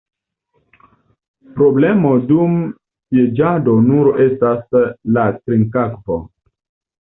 Problemo dum sieĝado nur estas la trinkakvo.